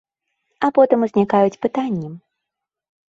А потым узнікаюць пытанні.